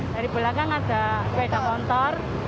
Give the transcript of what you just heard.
dari belakang ada sepeda motor